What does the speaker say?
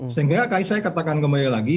sehingga saya katakan kembali lagi